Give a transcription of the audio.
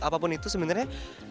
apapun itu sebenarnya